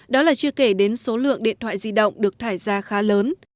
đó là chưa kể đến số lượng điện thoại di động được thải ra khá lớn